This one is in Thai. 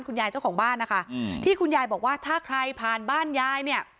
เจ้าของบ้านนะคะอืมที่คุณยายบอกว่าถ้าใครผ่านบ้านยายเนี่ย